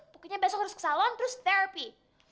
pokoknya besok harus ke salon terus terapi